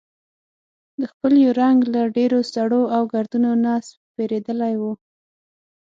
د څپلیو رنګ له ډېرو سړو او ګردونو نه سپېرېدلی و.